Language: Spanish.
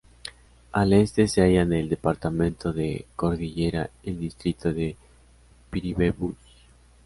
Al Este se hallan el Departamento de Cordillera y el Distrito de Piribebuy.